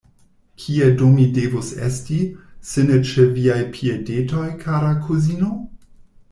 Kie do mi devus esti, se ne ĉe viaj piedetoj, kara kuzino?